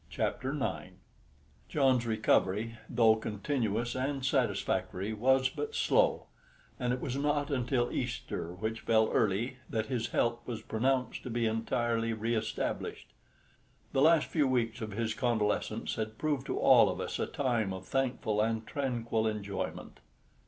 CHAPTER IX John's recovery, though continuous and satisfactory, was but slow; and it was not until Easter, which fell early, that his health was pronounced to be entirely re established. The last few weeks of his convalescence had proved to all of us a time of thankful and tranquil enjoyment.